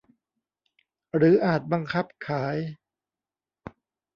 หรืออาจบังคับขาย